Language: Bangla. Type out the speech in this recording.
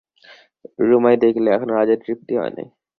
রমাই দেখিল, এখনও রাজার তৃপ্তি হয় নাই।